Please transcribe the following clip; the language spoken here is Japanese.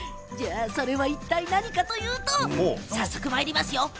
それはいったい何かというと早速まいりますよ。